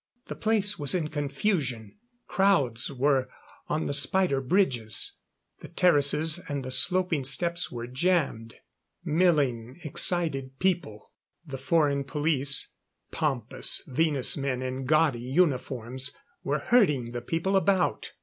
The place was in confusion. Crowds were on the spider bridges; the terraces and the sloping steps were jammed. Milling, excited people. The foreign police, pompous Venus men in gaudy uniforms, were herding the people about.